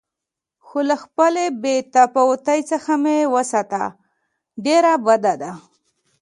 خو له خپلې بې تفاوتۍ څخه مې وساته چې ډېره بده ده.